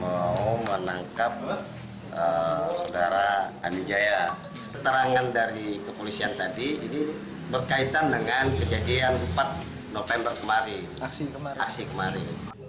ketika hmi menangkap saudara amijaya keterangan dari kepolisian tadi berkaitan dengan kejadian empat november kemarin